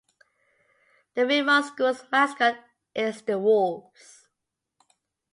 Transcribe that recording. The Wilmot School's mascot is The Wolves.